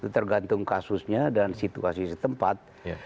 tergantung kasusnya dan situasi setempat